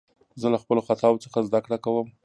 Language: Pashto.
زه له خپلو خطاوو څخه زدکړه کوم.